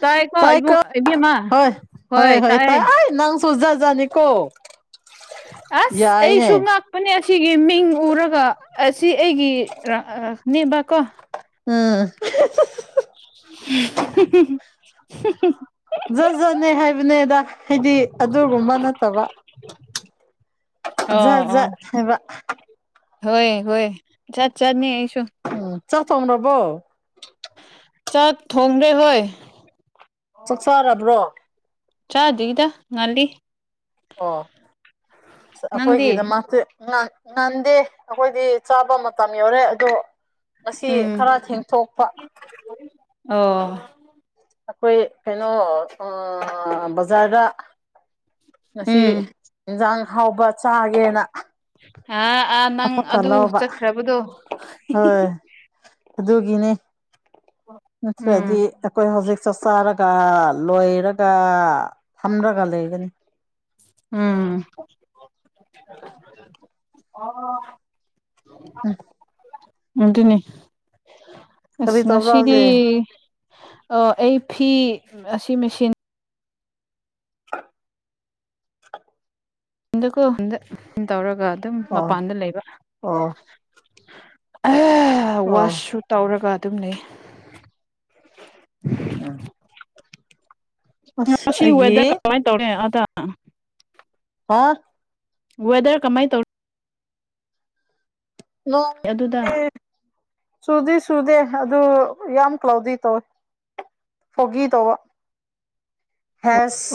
ꯇꯥꯏꯀꯣ ꯇꯥꯏ ꯀꯣ ꯏꯕꯨꯡ ꯏꯕꯦꯝꯃ ꯍꯣꯏ ꯍꯣꯏ ꯍꯣꯏ ꯇꯥꯏ ꯑꯥꯏ ꯅꯪ ꯁꯨ ꯖꯁ ꯖꯅꯤꯀꯣ ꯎ [inaudible] ꯑꯁ ꯑꯩꯁꯨ ꯉꯥꯛꯄꯅꯦ ꯑꯁꯤꯒꯤ ꯃꯤꯡ ꯎꯔꯒ ꯑꯁꯤ ꯑꯩꯒꯤ ꯔ ꯅꯤꯕꯀꯣ ꯎꯝ [unintelligible] ꯖꯠ ꯖꯠꯅꯦ ꯍꯥꯏꯕꯅꯦꯗ ꯍꯥꯏꯗꯤ ꯑꯗꯨꯒꯨꯝꯕ ꯅꯠꯇꯕ ꯖꯠ ꯖꯠ ꯍꯥꯏꯕ ꯍꯣꯏꯌꯦ ꯍꯣꯏꯌꯦ ꯆꯠ ꯆꯠꯅꯤ ꯎꯝ ꯆꯥꯛ ꯊꯣꯡꯔꯕꯣ ꯆꯥꯛ ꯊꯣꯡꯔꯦ ꯍꯣꯏ ꯆꯥꯛ ꯆꯥꯔꯕ꯭ꯔꯣ ꯆꯥꯗ꯭ꯔꯤꯗ ꯉꯜꯂꯤ ꯑꯣ ꯅꯪꯗꯤ ꯑꯈꯣꯏꯒꯤꯗꯃꯛꯇꯤ ꯉꯥꯟ ꯉꯥꯟꯗꯦ ꯑꯩꯈꯣꯏꯗꯤ ꯆꯥꯕ ꯃꯇꯝ ꯌꯧꯔꯦ ꯑꯗꯣ ꯉꯁꯤ ꯎꯝ ꯈꯔ ꯊꯦꯡꯊꯣꯛꯄ ꯑꯣ ꯑꯩꯈꯣꯏ ꯀꯩꯅꯣ ꯑꯥ ꯕꯖꯥꯔꯗ ꯉꯁꯤ ꯎꯝ ꯏꯟꯁꯥꯡ ꯍꯥꯎꯕ ꯆꯥꯒꯦꯅ ꯑ ꯑꯥ ꯅꯪ ꯑꯃꯨꯛꯀ ꯑꯗꯨ ꯂꯧꯕ ꯆꯠꯈ꯭ꯔꯕꯗꯣ ꯍꯤ ꯍꯤ ꯍꯣꯏ ꯍꯤ ꯑꯗꯨꯒꯤꯅꯤ ꯅꯠꯇ꯭ꯔꯗꯤ ꯎꯝ ꯑꯩꯈꯣꯏ ꯍꯧꯖꯤꯛ ꯆꯥꯛꯆꯥꯥꯔꯒ ꯂꯣꯏꯔꯒ ꯐꯝꯔꯒ ꯂꯩꯒꯅꯤ ꯎꯝ ꯎꯝ ꯑꯗꯨꯅꯤ ꯑꯁ ꯀꯔꯤ ꯇꯧꯕ꯭ꯔꯥ ꯉꯁꯤꯗꯤ ꯍꯧꯖꯤꯛ ꯑ ꯑꯩ ꯐꯤ ꯑꯁꯤ ꯃꯦꯁꯤꯟ [inaudible] ꯍꯟꯗꯛꯀꯣ ꯍꯟꯗꯛ ꯇꯧꯔꯒ ꯑꯗꯨꯝ ꯑꯣ ꯃꯄꯥꯟꯗ ꯂꯩꯕ ꯑꯣ ꯑꯍ ꯑꯣ ꯋꯥꯁꯁꯨ ꯇꯧꯔꯒ ꯑꯗꯨꯝ ꯂꯩ ꯎꯝ ꯑꯁ ꯉꯁꯤ ꯑꯩꯒꯤ ꯋꯦꯗꯔ ꯀꯃꯥꯏ ꯇꯧꯔꯦ ꯑꯗꯥ ꯑꯣ ꯋꯦꯗꯔ ꯀꯃꯥꯏ ꯇꯧꯔꯤ ꯅ ꯑꯗꯨꯗ [unintelligible] ꯆꯨꯗꯤ ꯆꯨꯗꯦ ꯑꯗꯨ ꯌꯥꯝ ꯀ꯭ꯂꯥꯎꯗꯤ ꯇꯧꯋꯦ ꯐꯣꯒꯤ ꯇꯧꯕ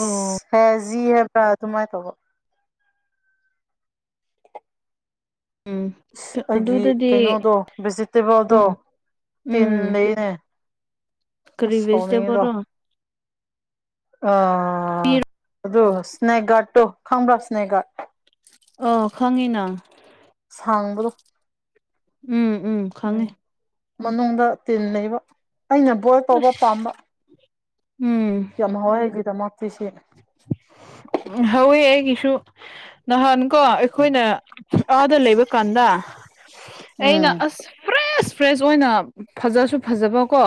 ꯑꯣ ꯍꯦꯖꯤ ꯍꯦꯕ꯭ꯔ ꯑꯗꯨꯃꯥꯏ ꯇꯧꯕꯥ ꯎꯝ ꯑꯩꯒꯤ ꯑꯗꯨꯗꯗꯤ ꯀꯩꯅꯣꯗꯣ ꯚꯦꯖꯤꯇꯦꯕꯜꯗꯣ ꯎꯝ ꯇꯤꯟ ꯎꯝ ꯂꯩꯌꯦꯅꯦ ꯀꯔꯤ ꯚꯤꯖꯤꯇꯦꯕꯜꯅꯣ ꯑꯥ ꯑꯗꯨ ꯁ꯭ꯅꯦꯛꯒꯥꯠ ꯇꯣ ꯈꯪꯕ꯭ꯔ ꯁ꯭ꯅꯦꯛꯒꯥꯠ ꯑꯥ ꯈꯪꯉꯤꯅ ꯊꯥꯡꯕ꯭ꯔꯨ ꯎꯝ ꯎꯝ ꯈꯪꯉꯦ ꯃꯅꯨꯡꯗ ꯇꯤꯟ ꯂꯩꯕ ꯑꯩꯅ ꯕꯣꯏꯜ ꯇꯧꯕ ꯑꯁ ꯄꯥꯝꯕ ꯎꯝ ꯌꯥꯝ ꯍꯥꯎꯋꯦ ꯑꯩꯒꯤꯗꯃꯛ ꯍꯧꯋꯦ ꯑꯩꯒꯤꯁꯨ ꯅꯍꯥꯟ ꯀꯣ ꯑꯩꯈꯣꯏꯅ ꯑꯥꯗ ꯂꯩꯕ ꯀꯥꯟꯗ ꯑꯩꯅ ꯎꯝ ꯑꯁ ꯐ꯭ꯔꯦꯁ ꯐ꯭ꯔꯦꯁ ꯑꯣꯏꯅ ꯐꯖꯁꯨ ꯐꯖꯕꯀꯣ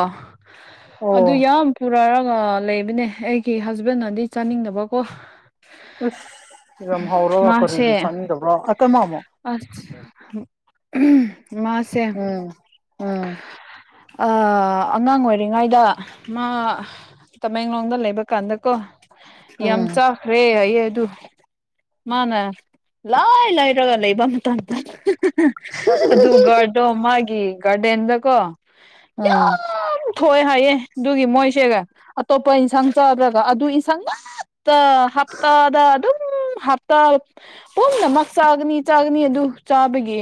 ꯑꯗꯨ ꯑꯣ ꯌꯥꯝ ꯄꯨꯔꯛꯒ ꯒ ꯂꯩꯕꯅꯦ ꯑꯩꯒꯤ ꯍꯁꯕꯦꯟꯅꯗꯤ ꯆꯥꯅꯤꯡꯗꯕꯀꯣ ꯑꯁ ꯌꯥꯝ ꯍꯧꯔꯒ ꯀꯔꯤꯒꯤ ꯃꯥꯁꯦ ꯆꯥꯅꯤꯡꯗꯕ꯭ꯔꯥ ꯑ ꯀ ꯃꯥꯃꯣ ꯑꯁ ꯃꯥꯁꯦ ꯎꯝ ꯑꯥ ꯑꯉꯥꯡ ꯑꯣꯏꯔꯤꯉꯩꯗ ꯃꯥ ꯇꯃꯦꯡꯂꯣꯡꯗ ꯂꯩꯕ ꯀꯥꯟꯗꯀꯣ ꯌꯥꯝ ꯎꯝ ꯆꯥꯈ꯭ꯔꯦ ꯍꯌꯦ ꯗꯨ ꯃꯥꯅ ꯂꯣꯏ ꯂꯩꯔꯒ ꯂꯩꯕꯝ ꯃꯇꯝ ꯑꯗꯨ ꯒꯥꯔꯗꯣ ꯃꯥꯒꯤ ꯒꯥꯔꯗꯦꯟꯗꯀꯣ ꯎꯝ ꯌꯥꯝ ꯊꯣꯛꯑꯦ ꯍꯥꯏꯌꯦ ꯑꯗꯨꯒꯤ ꯃꯣꯏꯁꯦ ꯑꯇꯣꯞꯄ ꯏꯟꯁꯥꯡ ꯆꯥꯗ꯭ꯔꯒ ꯑꯗꯨ ꯏꯟꯁꯥꯡ ꯉꯥꯛ ꯇ ꯍꯥꯞꯇꯥꯗ ꯑꯗꯨꯝ ꯍꯞꯇꯥ ꯄꯨꯝꯅꯃꯛ ꯆꯥꯒꯅꯤ ꯆꯥꯒꯅꯤ ꯑꯗꯨ ꯆꯥꯕꯒꯤ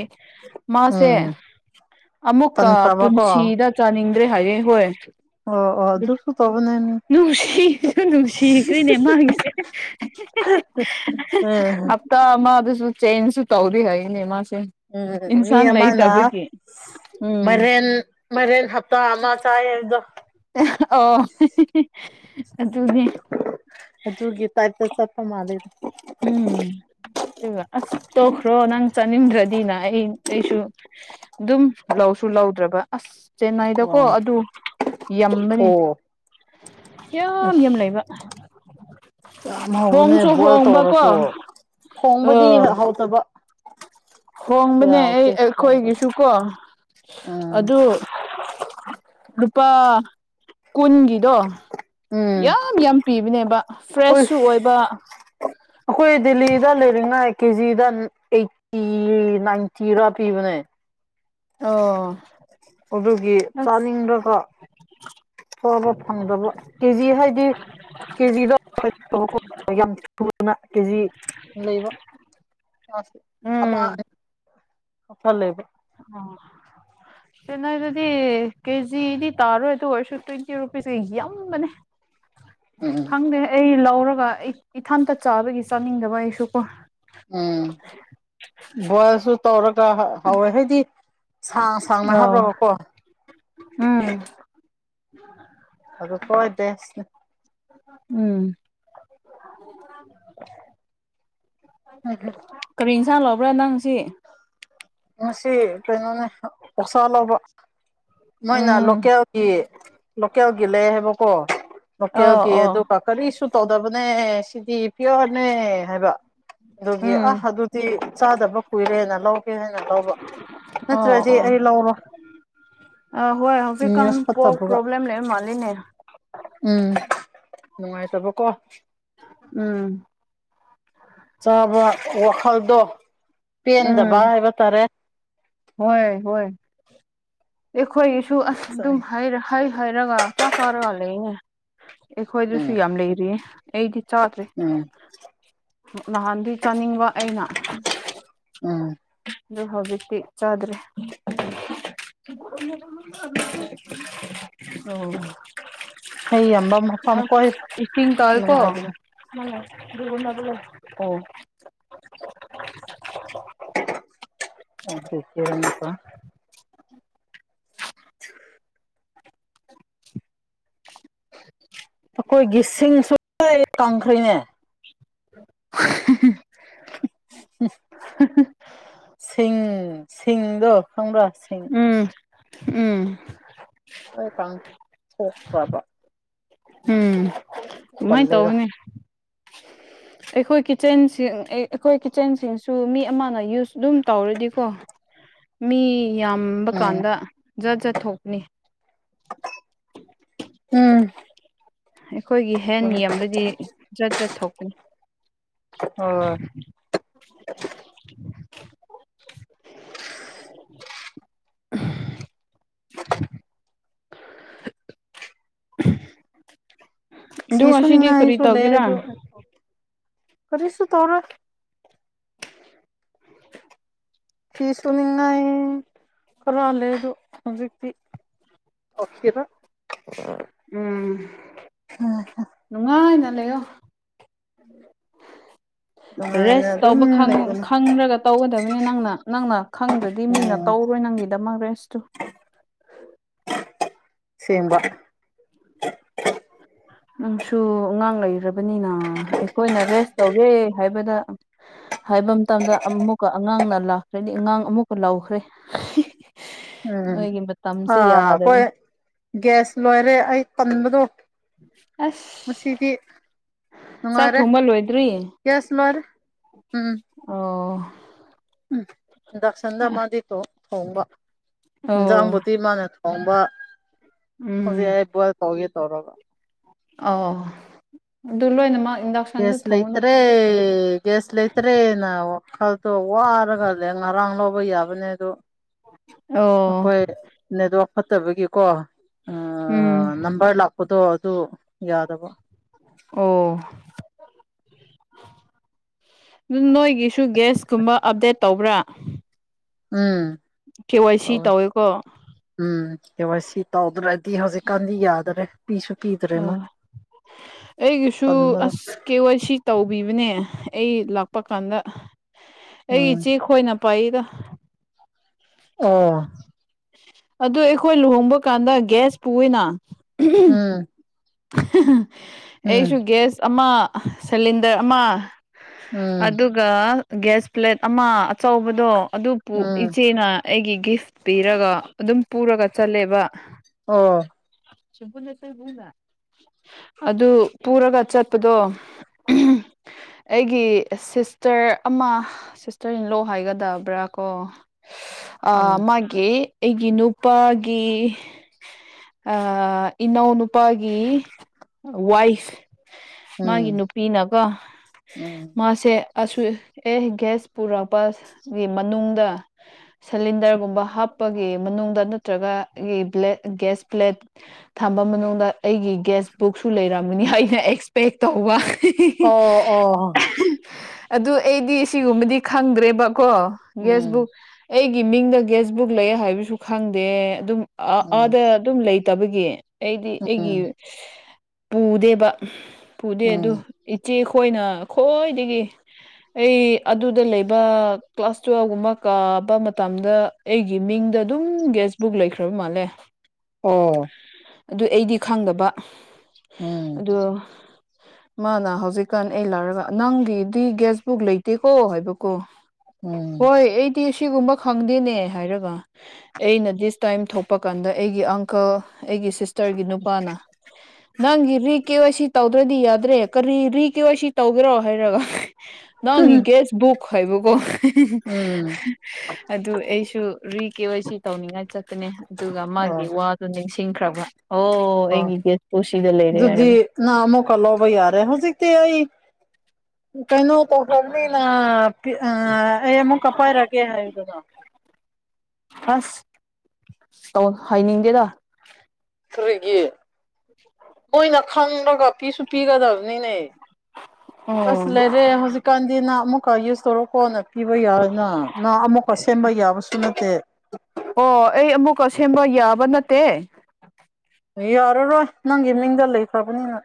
ꯃꯥꯁꯦ ꯎꯝ ꯑꯃꯨꯛꯀ ꯇꯟꯈ꯭ꯔꯕꯀꯣ ꯄꯨꯟꯁꯤꯗ ꯆꯥꯅꯤꯡ ꯗ꯭ꯔꯦ ꯍꯥꯏꯌꯦ ꯍꯣꯏ ꯑꯣ ꯑꯣ ꯑꯗꯨꯁꯨ ꯇꯧꯕꯅꯦ ꯃꯤ ꯅꯨꯡꯁꯤꯁꯨ ꯅꯨꯡꯁꯤꯈ꯭ꯔꯦꯅꯦ ꯃꯥꯒꯤꯁꯦ ꯑꯦ ꯍꯞꯇꯥ ꯑꯃꯗꯨꯁꯨ ꯆꯦꯟꯁꯁꯨ ꯇꯧꯗꯦ ꯍꯥꯏꯌꯦꯅꯦ ꯃꯥ ꯎꯝ ꯃꯤ ꯑꯃꯅꯥ ꯎꯝ ꯃꯔꯤꯟ ꯃꯔꯤꯟ ꯍꯞꯇꯥ ꯑꯃ ꯆꯥꯌꯦ ꯍꯥꯢꯕꯗꯣ ꯑꯣ ꯍꯤ ꯍꯤ ꯍꯤ ꯑꯗꯨꯅꯤ ꯨꯗꯨꯒꯤ ꯇꯥꯏꯞꯇ ꯆꯠꯄ ꯃꯥꯜꯂꯦ ꯎꯝ ꯗꯨꯒ ꯑꯁ ꯇꯣꯛꯈ꯭ꯔꯣ ꯅꯪ ꯆꯥꯅꯤꯡꯗ꯭ꯔꯗꯤꯅ ꯑꯩ ꯑꯩꯁꯨ ꯑꯗꯨꯝ ꯂꯧꯁꯨ ꯂꯧꯗ꯭ꯔꯕ ꯑꯁ ꯆꯦꯟꯅꯥꯏꯗꯀꯣ ꯑꯣ ꯑꯗꯨ ꯌꯥꯝꯕꯅꯤ ꯑꯣ ꯌꯥꯝ ꯑꯁ ꯌꯥꯝ ꯂꯩꯕ ꯌꯥꯝ ꯍꯧꯕꯅꯦ ꯍꯣꯡꯁꯨ ꯕꯣꯏꯜ ꯍꯣꯡꯕꯀꯣ ꯇꯧꯔꯁꯨ ꯊꯣꯡꯕꯗꯤ ꯍ ꯑ ꯍꯥꯎꯇꯕ ꯍꯣꯡꯕꯅꯦ ꯑꯩ ꯑꯩꯈꯣꯏꯒꯤꯁꯨꯀꯣ ꯎꯝ ꯑꯗꯨ ꯂꯨꯄꯥ ꯀꯨꯟꯒꯤꯗꯣ ꯎꯝ ꯌꯥꯝ ꯌꯥꯝ ꯄꯤꯕꯅꯦꯕ ꯎꯁ ꯐ꯭ꯔꯦꯁꯁꯨ ꯑꯣꯏꯕ ꯑꯩꯈꯣꯏ ꯗꯦꯜꯂꯤꯗ ꯂꯩꯔꯤꯉꯥꯏ ꯀꯦꯖꯤꯗ ꯑꯩꯠꯇꯤ ꯅꯥꯏꯟꯇꯤꯔꯥ ꯄꯤꯕꯅꯦ ꯑꯣ ꯑꯗꯨꯒꯤ ꯑꯁ ꯆꯥꯅꯤꯡꯔꯒ ꯐꯕ ꯐꯪꯗꯕ ꯀꯦꯖꯤ ꯍꯥꯏꯗꯤ [unintelligible] ꯌꯥꯝ ꯊꯨꯅ ꯀꯦꯖꯤ ꯂꯩꯕ ꯑ ꯑꯃ [unintelligible] ꯑ ꯆꯦꯟꯅꯥꯏꯗꯗꯤ ꯀꯦꯖꯤꯗꯤ ꯇꯥꯔꯣꯏꯗꯨ ꯑꯣꯏꯔꯁꯨ ꯇ꯭ꯋꯦꯟꯇꯤ ꯔꯨꯄꯤꯁ ꯀꯩ ꯌꯝꯕꯅꯦ ꯎꯝ ꯈꯪꯗꯦ ꯑꯩ ꯂꯧꯔꯒ ꯑꯩ ꯏꯊꯥꯟꯇ ꯆꯥꯕꯒꯤ ꯆꯥꯅꯤꯡꯗꯕ ꯑꯩꯁꯨꯀꯣ ꯎꯝ ꯕꯣꯏꯜꯁꯨ ꯇꯧꯔꯒ ꯍꯧꯋꯦ ꯍꯥꯏꯗꯤ ꯁꯥꯡ ꯁꯥꯡꯅ ꯑꯧ ꯍꯥꯞꯔꯒꯀꯣ ꯎꯝ ꯑꯗꯨ ꯈ꯭ꯋꯥꯏ ꯕꯦꯁꯅꯤ ꯎꯝ [unintelligible] ꯆꯛ ꯂꯧꯕ꯭ꯔ ꯅꯪꯁꯤ ꯑꯣꯁꯥ ꯂꯧꯕ ꯅꯣꯏꯅ ꯎꯝ ꯂꯣꯀꯦꯜꯒꯤ ꯂꯣꯀꯦꯜꯒꯤ ꯂꯩ ꯍꯥꯏꯕ ꯀꯣ ꯑꯣ ꯂꯣꯀꯦꯜꯒꯤ ꯑꯣ ꯑꯗꯨꯒ ꯀꯥꯔꯤꯁꯨ ꯇꯧꯗꯕꯅꯦ ꯁꯤꯗꯤ ꯄ꯭ꯌꯣꯔꯅꯦ ꯍꯥꯏꯕ ꯑꯗꯨꯒꯤ ꯑ ꯎꯝ ꯑꯗꯨꯗꯤ ꯆꯥꯗꯕ ꯀꯨꯏꯔꯦꯅ ꯂꯧꯒꯦ ꯍꯥꯏꯅ ꯂꯧꯕ ꯑꯣ ꯅꯠꯇ꯭ꯔꯗꯤ ꯑꯣ ꯑꯩ ꯂꯧꯔꯣ ꯑ ꯍꯣꯏ ꯍꯧꯖꯤꯛꯀꯥꯟ ꯄꯣꯛ ꯄ꯭ꯔꯣꯕ꯭ꯂꯦꯝ ꯂꯩꯔ ꯃꯥꯜꯂꯤꯅꯦ ꯎꯝ ꯅꯨꯡꯉꯥꯏꯇꯕ ꯀꯣ ꯎꯝ ꯆꯥꯕ ꯋꯥꯈꯜꯗꯣ ꯎꯝ ꯄꯦꯟꯗꯕ ꯍꯥꯏꯕ ꯇꯥꯔꯦ ꯍꯣꯏ ꯍꯣꯏ ꯑꯩꯈꯣꯏꯒꯤꯁꯨ ꯑꯁ ꯑꯗꯨꯝ ꯍꯩꯔꯥ ꯍꯩ ꯍꯥꯏꯔꯒ ꯆꯥꯛ ꯆꯔꯒ ꯂꯩꯅꯩ ꯑꯩꯈꯣꯏꯗꯁꯨ ꯎꯝ ꯌꯥꯝ ꯂꯩꯔꯤꯌꯦ ꯑꯩꯗꯤ ꯆꯥꯗ꯭ꯔꯤ ꯎꯝ ꯅꯍꯥꯟꯗꯤ ꯆꯥꯅꯤꯡꯕ ꯑꯩꯅ ꯎꯝ ꯅꯣꯢ ꯍꯧꯖꯤꯛꯇꯤ ꯆꯥꯗꯔꯦ ꯍꯩ ꯌꯥꯝꯕ [unintelligible] ꯑ ꯃꯐꯝ ꯀꯣꯏ ꯏꯁꯤꯡ ꯇꯥꯏꯀꯣ ꯅꯨꯡꯉꯥꯏꯕꯅꯦ [unintelligible] ꯑꯣ [unintelligible] ꯑꯩꯈꯣꯏꯒꯤ ꯁꯤꯡꯁꯨ [unintelligible] ꯀꯪꯈ꯭ꯔꯦꯅꯦ ꯁꯤꯡ ꯁꯤꯡ ꯗꯣ ꯈꯪꯕ꯭ꯔꯥ ꯁꯤꯡ ꯎꯝ ꯎꯝ ꯑꯣꯏ ꯀꯥꯡꯊꯣꯛꯈ꯭ꯔꯕ ꯎꯝ ꯀꯃꯥꯏ ꯇꯧꯅꯦ ꯑꯩꯈꯣꯏ ꯀꯤꯠꯆꯟꯁꯤ ꯑꯩꯈꯣꯏ ꯀꯤꯠꯆꯟꯁꯤꯡꯁꯨ ꯃꯤ ꯑꯃꯅ ꯌꯨꯁ ꯑꯗꯨꯝ ꯇꯧꯔꯗꯤꯀꯣ ꯃꯤ ꯌꯥꯝꯕ ꯎꯝ ꯀꯥꯟꯗ ꯖꯥꯠ ꯖꯥꯠ ꯊꯣꯛꯅꯤ ꯎꯝ ꯑꯩꯈꯣꯏꯒꯤ ꯍꯦꯟ ꯌꯦꯡꯕ꯭ꯔꯗꯤ ꯖꯠ ꯖꯠ ꯊꯣꯛꯄꯤ ꯑꯥ ꯑꯗꯨ ꯉꯁꯤꯗꯤ ꯀꯔꯤ ꯐꯤꯁꯨꯅꯤꯡꯉꯥꯏꯁꯨ ꯂꯩ ꯇꯧꯒꯦꯔꯥ ꯑꯗꯨ ꯀꯥꯔꯤꯁꯨ ꯇꯧꯔꯣꯢ ꯐꯤ ꯁꯨꯅꯤꯡꯉꯥꯏ ꯈꯔꯥ ꯂꯩ ꯑꯗꯨ ꯍꯧꯖꯤꯛꯇꯤ [unintelligible] ꯎꯝ ꯅꯨꯡꯉꯥꯏꯅ ꯂꯩꯌꯣ ꯑꯗꯨꯃꯥꯏꯅ ꯔꯦꯁ ꯑꯗꯨꯝ ꯇꯧꯕ [unintelligible] ꯂꯩꯕꯅꯦ ꯈꯪꯗ꯭ꯔꯒ ꯇꯧꯒꯗꯕꯅꯤ ꯅꯪꯅ ꯅꯪꯅ ꯈꯪꯗ꯭ꯔꯗꯤ ꯃꯤꯅ ꯎꯝ ꯇꯧꯔꯣꯏ ꯅꯪ ꯒꯤꯗꯃꯛ ꯔꯦꯁꯇꯨ ꯁꯦꯝꯕ ꯅꯪꯁꯨ ꯑꯉꯥꯡ ꯂꯩ [unintelligible] ꯑꯩꯈꯣꯏꯅ ꯔꯦꯁ ꯇꯧꯒꯦ ꯍꯥꯏꯕꯗ ꯍꯥꯏꯕ ꯃꯇꯝꯗ ꯑꯃꯨꯛꯀ ꯑ ꯑꯉꯥꯡꯅ ꯂꯥꯛꯈ꯭ꯔꯗꯤ ꯑꯉꯥꯡ ꯑꯃꯨꯛꯀ ꯂꯥꯎꯈ꯭ꯔꯦ ꯎꯝ ꯑꯥ ꯑꯩꯈꯣꯏ ꯌꯥꯗꯕꯅꯤ ꯒ꯭ꯌꯥꯁ ꯂꯣꯏꯔꯦ ꯑꯩ ꯇꯟꯕꯗꯣ ꯑꯁ ꯃꯁꯤꯗꯤ ꯆꯥꯛ ꯅꯨꯡꯉꯥꯏꯔꯦ ꯊꯣꯡꯕ ꯂꯣꯏꯗ꯭ꯔꯤ ꯒ꯭ꯌꯥꯁ ꯂꯣꯢꯔꯦ ꯎꯝ ꯑꯣ ꯏꯟꯗꯥꯛꯁꯟꯗ ꯃꯥꯗꯤ [unintelligible] ꯊꯣꯡꯕ ꯑꯣ ꯏꯟꯖꯥꯡꯕꯨꯗꯤ ꯃꯥꯥꯟꯅ ꯊꯣꯡꯕ ꯎꯝ ꯍꯧꯖꯤꯛ ꯑꯩ [unintelligible] ꯇꯧꯒꯦ ꯇꯧꯔꯕ ꯑꯣ ꯑꯗꯨ ꯂꯣꯏꯅꯃꯛ ꯏꯟꯗꯛꯁꯟꯗ ꯒꯦꯁ ꯊꯣꯡꯉꯨꯅ ꯂꯩꯇ꯭ꯔꯦ ꯒꯦꯁ ꯂꯩꯇ꯭ꯔꯦ ꯅ ꯋꯥꯈꯜꯗꯣ ꯋꯥꯔꯒ ꯅꯦ ꯉꯔꯥꯡ ꯂꯧꯕ ꯌꯥꯕꯅꯦ ꯑꯗꯨ ꯑꯣ ꯑꯩꯈꯣꯏ [unintelligible] ꯐꯥꯠꯇꯕꯒꯤꯀꯣ ꯑ ꯎꯝ ꯅꯥꯝꯕꯔ ꯂꯥꯛꯄꯗꯣ ꯑꯗꯨ ꯌꯥꯗꯕ ꯑꯣ ꯑꯗꯨ ꯅꯣꯏꯒꯤ ꯒꯦꯁꯀꯨꯝꯕ ꯑꯞꯗꯦꯠ ꯇꯧꯕ꯭ꯔꯥ ꯎꯝ ꯀꯦ ꯋꯥꯏ ꯁꯤ ꯇꯧꯋꯦ ꯇꯧꯋꯦꯀꯣ ꯎꯝ ꯀꯦ ꯋꯥꯏ ꯁꯤ ꯇꯧꯗ꯭ꯔꯦ ꯗꯤ ꯍꯧꯖꯤꯛꯀꯥꯟꯗꯤ ꯌꯥꯗꯔꯦ ꯄꯤꯁꯨ ꯄꯤꯗ꯭ꯔꯦ ꯑ ꯃꯣꯏ ꯑꯩꯒꯤꯁꯨ ꯇꯟꯕꯗꯣ ꯑꯁ ꯀꯦ ꯋꯥꯏ ꯁꯤ ꯇꯧꯕꯤꯕꯅꯦ ꯑꯩ ꯂꯥꯛꯄ ꯀꯥꯟꯗ ꯑꯩꯒꯤ ꯎꯝ ꯏꯆꯦ ꯈꯣꯏꯅ ꯄꯥꯏꯗ ꯑꯣ ꯑꯗꯨ ꯑꯩꯈꯣꯏ ꯂꯨꯍꯣꯡꯕ ꯀꯥꯟꯗ ꯒꯤꯌꯥꯁ ꯄꯨꯏꯅ ꯎꯝ ꯑꯩꯁꯨ ꯎꯝ ꯒ꯭ꯌꯥꯁ ꯑꯃ ꯁꯤꯂꯤꯟꯗꯔ ꯑꯃ ꯎꯝ ꯑꯗꯨꯒ ꯒꯦꯁ ꯄ꯭ꯂꯦꯠ ꯑꯃ ꯑꯆꯧꯕꯗꯣ ꯑꯗꯨ ꯎꯝ ꯏꯆꯦꯅ ꯑꯩꯒꯤ ꯒꯤꯐ ꯄꯤꯔꯒ ꯑꯗꯨꯝ ꯄꯨꯔꯒ ꯆꯥꯠꯂꯦꯕ ꯑꯣ [unintelligible] ꯑꯗꯨ ꯄꯨꯔꯒ ꯆꯠꯄꯗꯣ ꯑꯩꯒꯤ ꯁꯤꯁꯇꯔ ꯑꯃ ꯁꯤꯁꯇꯔ ꯏꯟꯂꯣ ꯍꯥꯏꯒꯗꯕ꯭ꯔꯥ ꯀꯣ ꯑꯥ ꯎꯝ ꯃꯥꯒꯤ ꯑꯩꯒꯤ ꯅꯨꯄꯥꯒꯤ ꯏꯅꯥꯎ ꯅꯨꯄꯥꯒꯤ ꯒꯤ ꯋꯥꯏꯐ ꯃꯥꯒꯤ ꯎꯝ ꯅꯨꯄꯤꯅꯀꯣ ꯎꯝ ꯃꯥꯁꯦ ꯑꯁꯨ ꯑꯦ ꯒ꯭ꯌꯥꯁ ꯄꯨꯔꯛꯄ ꯒꯤ ꯃꯅꯨꯡꯗ ꯁꯤꯂꯤꯟꯗꯔꯒꯨꯝꯕ ꯍꯥꯞꯄꯒꯤ ꯃꯅꯨꯡꯗ ꯅꯠꯇ꯭ꯔꯒ ꯒ꯭ꯌꯥꯁ ꯄ꯭ꯂꯦꯠ ꯊꯥꯝ ꯊꯥꯝꯕ ꯃꯅꯨꯡꯗ ꯑꯩꯒꯤ ꯒ꯭ꯦꯁ ꯕꯨꯛꯁꯨ ꯂꯩꯔꯝꯒꯅꯤ ꯑꯩꯅ ꯑꯦꯛꯁꯄꯦꯛ ꯇꯧꯕ ꯑꯣ ꯑꯣ ꯑꯗꯨ ꯑꯩꯗꯤ ꯁꯤꯒꯨꯝꯕꯗꯤ ꯈꯪꯗ꯭ꯔꯦꯕꯀꯣ ꯎꯝ ꯒ꯭ꯦꯁꯕꯨꯛ ꯑꯩꯒꯤ ꯃꯤꯡꯗ ꯒ꯭ꯦꯁꯕꯨꯛ ꯂꯩ ꯍꯥꯏꯕꯁꯨ ꯈꯪꯗꯦ ꯑꯗꯨꯝ ꯎꯝ ꯑꯥꯗ ꯑꯗꯨꯝ ꯂꯩ ꯇꯕꯒꯤ ꯑꯩꯗꯤ ꯑꯩꯒꯤ ꯎꯝ ꯄꯨꯗꯦꯕ ꯄꯨꯗꯦ ꯑꯗꯨ ꯎꯝ ꯏꯆꯦ ꯈꯣꯏꯅ ꯑꯩꯈꯣꯏꯗꯒꯤ ꯑꯩ ꯑꯗꯨꯗ ꯂꯩꯕ ꯀ꯭ꯂꯥꯁ ꯇꯨꯋꯦꯜꯒꯨꯝꯕ ꯀꯥꯕ ꯃꯇꯝꯗ ꯑꯩꯒꯤ ꯃꯤꯡ ꯗ ꯑꯗꯨꯝ ꯒ꯭ꯌꯁꯕꯨꯛ ꯂꯩꯈ꯭ꯔꯕ ꯃꯥꯜꯂꯦ ꯑꯣ ꯑꯗꯨ ꯑꯩꯗꯤ ꯈꯪꯗꯕ ꯎꯝ ꯑꯗꯨ ꯃꯥꯅ ꯍꯧꯖꯤꯛꯀꯥꯟ ꯑꯩ ꯂꯥꯛꯔꯒ ꯅꯪꯒꯤꯗꯤ ꯒꯥ꯭ꯌꯁ ꯕꯨꯛ ꯂꯩꯇꯦꯀꯣ ꯍꯥꯏꯕꯀꯣ ꯎꯝ ꯍꯣꯏ ꯑꯩꯗꯤ ꯑꯁꯤꯒꯨꯝꯕ ꯈꯪꯗꯦꯅꯦ ꯍꯥꯏꯔꯕ ꯑꯩꯅ ꯗꯤꯁ ꯇꯥꯏꯝ ꯊꯣꯛꯄ ꯀꯥꯟꯗ ꯑꯩꯒꯤ ꯑꯪꯀꯜ ꯑꯩꯒꯤ ꯁꯤꯁꯇꯔꯒꯤ ꯅꯨꯞ ꯅꯨꯄꯥꯅ ꯅꯪꯒꯤꯗꯤ ꯀꯦ ꯋꯥꯏ ꯁꯤ ꯇꯧꯗ꯭ꯔꯗꯤ ꯌꯥꯗ꯭ꯔꯦ ꯀꯔꯤ ꯔꯤ ꯀꯦ ꯋꯥꯏ ꯁꯤ ꯇꯧꯒꯦꯔꯣ ꯍꯥꯏꯔꯒ ꯅꯪ ꯒꯦꯁꯕꯨꯛ ꯍꯥꯏꯕꯀꯣ ꯎꯝ ꯑꯗꯨ ꯑꯩꯁꯨ ꯔꯤ ꯀꯦ ꯋꯥꯏ ꯁꯤ ꯇꯧꯅꯤꯡꯉꯥꯏ ꯆꯥꯠꯄꯅꯦ ꯑꯗꯨꯒ ꯃꯥꯒꯤ ꯑꯣ ꯋꯥꯗꯨ ꯅꯤꯡꯁꯤꯡꯈ꯭ꯔꯕ ꯑꯣ ꯑꯣ ꯑꯩꯒꯤ ꯒꯦꯁꯄꯨ ꯁꯤꯗ ꯂꯩꯔꯦ ꯑꯗꯨꯗꯤ ꯍꯥꯏꯔꯒ ꯅꯪ ꯑꯃꯨꯛ ꯂꯧꯕ ꯌꯥꯔꯦ ꯍꯧꯖꯤꯛꯇꯤ ꯑꯩ ꯀꯩꯅꯣ ꯇꯧꯈ꯭ꯔꯃꯤꯅ ꯄꯤ ꯑ ꯑ ꯑꯩ ꯑꯃꯨꯛ ꯀ ꯄꯥꯏꯔꯀꯦ ꯍꯥꯏꯌꯨꯗꯅ ꯑꯁ ꯇꯧ ꯍꯥꯏꯅꯤꯡꯗꯦꯗ ꯀꯔꯤꯒꯤ ꯃꯣꯏꯅ ꯈꯪꯔꯒ ꯄꯤꯁꯨ ꯄꯤꯒꯗꯕꯅꯤꯅꯦ ꯑꯣ ꯑꯁ ꯂꯩꯔꯦ ꯍꯧꯖꯤꯛꯀꯥꯟꯗꯤꯅ ꯑꯃꯨꯛ ꯈꯔ ꯌꯨꯁ ꯇꯧꯔ ꯀꯣꯟꯅ ꯄꯤꯕꯌꯥꯏꯅ ꯅꯪ ꯑꯃꯨꯛꯀ ꯁꯦꯝꯕ ꯌꯥꯕꯁꯨ ꯅꯠꯇꯦ ꯑꯣ ꯑꯩ ꯑꯃꯨꯛꯀ ꯁꯦꯝꯕ ꯌꯥꯕ ꯅꯠꯇꯦ ꯌꯥꯔꯔꯣꯏ ꯅꯪꯒꯤ ꯃꯤꯡꯗ ꯂꯩꯈ꯭ꯔꯕꯅꯤꯅ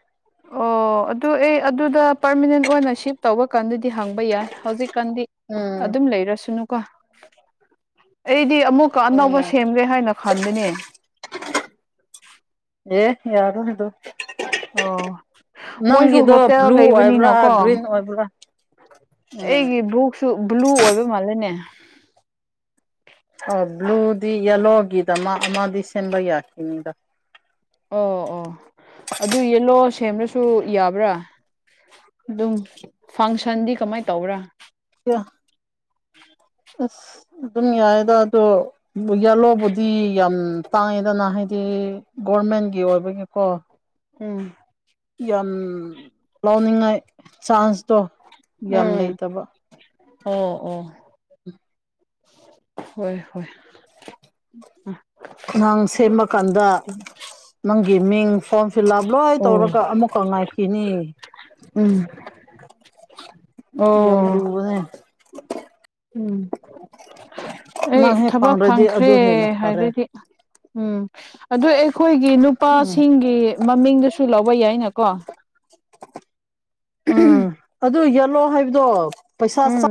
ꯑꯣ ꯑꯗꯨ ꯑꯩ ꯑꯗꯨꯗ ꯄꯔꯃꯤꯅꯦꯟ ꯑꯣꯏꯅ ꯁꯤꯐ ꯇꯧꯕ ꯀꯥꯟꯗꯗꯤ ꯍꯥꯡꯕ ꯌꯥꯏ ꯍꯧꯖꯤꯛꯀꯥꯟꯗꯤ ꯎꯝ ꯑꯗꯨꯝ ꯂꯩꯔꯁꯅꯨꯀꯣ ꯑꯩꯗꯤ ꯑꯃꯨꯛꯀ ꯑꯅꯧꯕ ꯎꯝ ꯁꯦꯝꯒꯦ ꯍꯥꯏꯅ ꯈꯟꯕꯅꯦ ꯑꯦ ꯌꯥꯔꯣꯏ ꯍꯥꯏꯕ ꯑꯣ ꯃꯣꯏꯁꯨ ꯅꯪꯒꯤꯗꯣ ꯍꯣꯇꯦꯜ ꯕ꯭ꯂꯨ ꯑꯣꯏꯕ꯭ꯔ ꯂꯩꯕꯅꯤꯅꯀꯣ ꯒ꯭ꯔꯤꯟ ꯑꯣꯏꯕ꯭ꯔ ꯑꯩꯒꯤ ꯕꯨꯛꯁꯨ ꯕ꯭ꯂꯨ ꯑꯣꯏꯕ ꯃꯥꯜꯂꯦꯅꯦ ꯑ ꯕ꯭ꯂꯨꯗꯤ ꯌꯦꯜꯂꯣꯒꯤꯗ ꯃꯥ ꯑꯃꯗꯤ ꯁꯦꯝꯕ ꯌꯥꯈꯤꯅꯤꯗ ꯑꯣ ꯑꯣ ꯑꯗꯨ ꯌꯦꯂꯣ ꯁꯦꯝꯕꯁꯨ ꯌꯥꯕ꯭ꯔ ꯑꯗꯨꯝ ꯐꯪꯁꯟꯗꯤ ꯀꯃꯥꯏ ꯇꯧꯕ꯭ꯔ ꯑꯁ ꯑꯗꯨꯝ ꯌꯥꯏꯗ ꯑꯗꯣ ꯌꯦꯂꯣꯕꯨꯗꯤ ꯌꯥꯝ ꯇꯥꯡꯉꯦꯗꯅ ꯍꯥꯏꯗꯤ ꯒꯣꯔꯃꯦꯟꯒꯤ ꯑꯣꯏꯕꯩꯅꯤꯀꯣ ꯑꯝ ꯌꯥꯝ ꯂꯥꯎꯅꯤꯡꯥꯏ ꯆꯥꯟꯁꯇꯣ ꯌꯥꯝ ꯎꯝ ꯂꯩꯇꯕ ꯑꯣ ꯑꯣ ꯍꯣꯏ ꯍꯣꯏ ꯑ ꯑꯉꯥꯡ ꯁꯦꯝꯃꯀꯥꯟꯗ ꯅꯪꯒꯤ ꯃꯤꯡ ꯐꯣꯔꯝ ꯐꯤꯜ ꯑꯞ ꯂꯣꯏꯅ ꯑꯣ ꯇꯧꯔꯒ ꯑꯃꯨꯛꯀ ꯉꯥꯏꯈꯤꯅꯤ ꯎꯝ ꯌꯥꯝ ꯑꯣ ꯂꯨꯕꯅꯦ ꯎꯝ ꯑꯩ ꯅꯪ ꯍꯦꯛ ꯊꯕꯛ ꯐꯪꯗ꯭ꯔꯗꯤ ꯐꯪꯈ꯭ꯔꯦ ꯑꯗꯨ ꯍꯦꯟꯅ ꯐꯔꯦ ꯍꯥꯏꯔꯗꯤ ꯎꯝ ꯑꯗꯣ ꯑꯩꯈꯣꯏꯒꯤ ꯎꯝ ꯅꯨꯄꯥꯁꯤꯡꯒꯤ ꯃꯃꯤꯡꯗꯨꯁꯨ ꯂꯧꯥ ꯇꯧꯕ ꯌꯥꯏꯅ ꯀꯣ ꯎꯝ ꯑꯗꯨ ꯌꯦꯂꯣ ꯍꯥꯏꯕꯗꯣ ꯄꯩꯁꯥ ꯆꯪ ꯎꯝ